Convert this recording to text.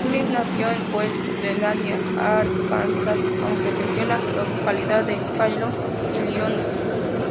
Smith nació en West Helena, Arkansas, aunque creció en la localidad de Cairo, Illinois.